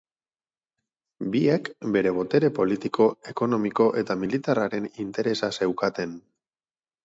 Biek bere botere politiko, ekonomiko eta militarraren interesa zeukaten.